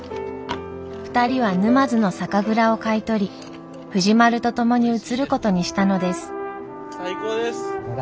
２人は沼津の酒蔵を買い取り藤丸と共に移ることにしたのです。